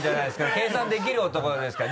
計算できる男ですから。